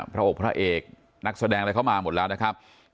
พระอกพระเอกนักแสดงอะไรเข้ามาหมดแล้วนะครับ